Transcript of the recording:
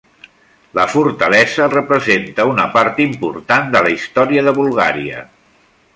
La fortalesa representa una part important de la història de Bulgària.